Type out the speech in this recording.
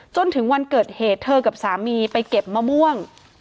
จนถึงวันเกิดเหตุเธอกับสามีไปเก็บมะม่วง